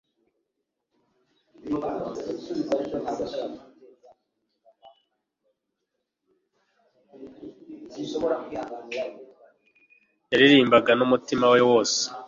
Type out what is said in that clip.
yaririmbaga n'umutima we wose